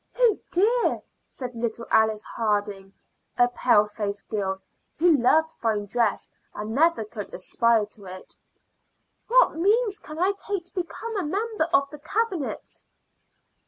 "Oh dear," said little Alice Harding, a pale faced girl, who loved fine dress and never could aspire to it, "what means can I take to become a member of the Cabinet?"